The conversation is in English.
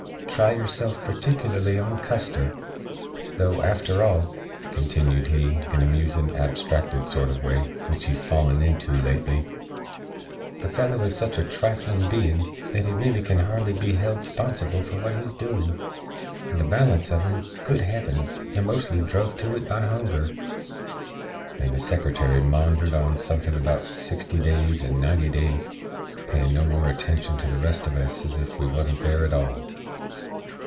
Try yoor self particularly on Custer; tho', after all," continyood he, in a musin, abstracted sort uv a way, wich he's fallen into lately, "the fellow is sich a triflin bein, that he reely kin hardly be held 'sponsible for what he's doin; and the balance uv em, good Hevens! they'r mostly druv to it by hunger." And the Secretary maundered on suthin about "sixty days" and "ninety days," payin no more attention to the rest uv us than ez ef we wuzn't there at all.